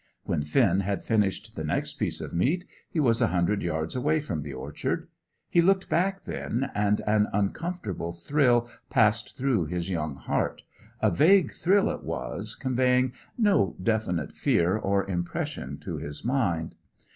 When Finn had finished the next piece of meat he was a hundred yards away from the orchard. He looked back then, and an uncomfortable thrill passed through his young heart; a vague thrill it was, conveying no definite fear or impression to his mind.